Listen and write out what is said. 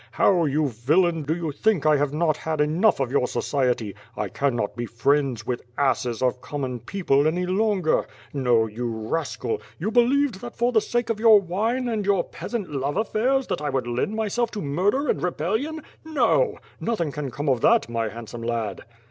How, you villain, do yon think I have not had enough of your society? I can not be friends with asses of common peojile any longer. No! rascal; you ])eliev(d ih.at for the sake of your wine and your peasant love affairs that I would lend myself to murder and rebellion. Xo; nothing can come of that, my handsome lad."